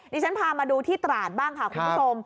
ฉันพามาดูที่ตราดบ้างค่ะคุณผู้ชม